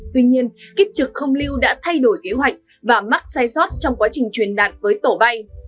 tuy nhiên kiếp trực không lưu đã thay đổi kế hoạch và mắc sai sót trong quá trình truyền đạt với tổ bay